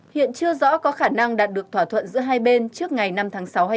hiện chưa rõ có khả năng đạt được thỏa thuận giữa hai bên trước ngày năm tháng sáu hay không